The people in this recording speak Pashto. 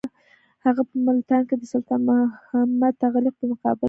هغه په ملتان کې د سلطان محمد تغلق په مقابل کې.